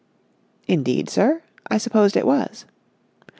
"Indeed, sir? I supposed it was."